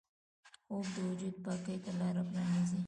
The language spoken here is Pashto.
خوب د وجود پاکۍ ته لاره پرانیزي